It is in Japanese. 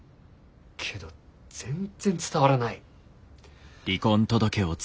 けど全然伝わらない。